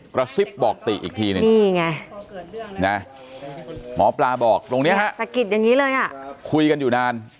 กระซิบบอกติอีกทีนึงหมอปลาบอกตรงนี้ครับคุยกันอยู่นาน